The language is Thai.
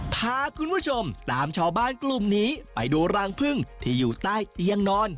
พาคุณผู้ชมตามชาวบ้านกลุ่มนี้ไปดูรังพึ่งที่อยู่ใต้เตียงนอน